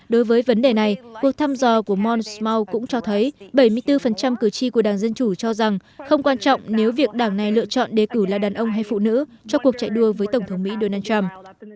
đối với vấn đề này cuộc thăm dò của mon smoul cũng cho thấy bảy mươi bốn cử tri của đảng dân chủ cho rằng không quan trọng nếu việc đảng này lựa chọn đề cử là đàn ông hay phụ nữ cho cuộc chạy đua với tổng thống mỹ donald trump